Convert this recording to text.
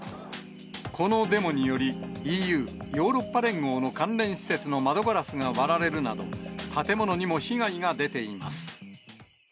このデモにより、ＥＵ・ヨーロッパ連合の関連施設の窓ガラスが割られるなど、建物にも被害が出ています。